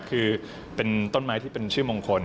คือเป็นต้นไม้ที่เป็นชื่อมงคล